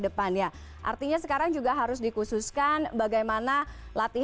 apakah andaniej apakah andajung ada muslim walaupun tidak dalang ikut perjuangan akan telah